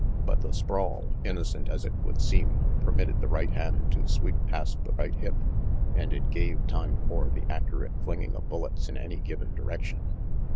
But the sprawl, innocent as it would seem, per mitted the right hand to sweep past the right hip and it gave time for the accurate flinging of bullets in any given direction.